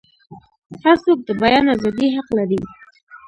هرڅوک د بیان ازادۍ حق لري.